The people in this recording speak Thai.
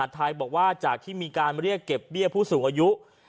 ไทยบอกว่าจากที่มีการเรียกเก็บเบี้ยผู้สูงอายุ